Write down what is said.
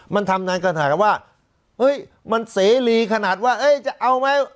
มันทำนั้นกันหากว่าเฮ้ยมันเสรีขนาดว่าเอ้ยจะเอาไหม